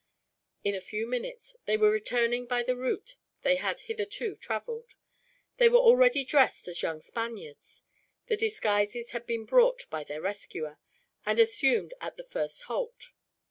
In a few minutes, they were returning by the route they had hitherto traveled They were already dressed as young Spaniards. The disguises had been brought by their rescuer, and assumed at the first halt.